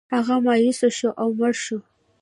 هغه مایوسه شو او مړ شو.